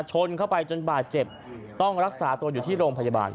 ชนเข้าไปจนบาดเจ็บต้องรักษาตัวอยู่ที่โรงพยาบาล